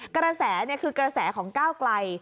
กระแสคือกระแสของก้าวไกล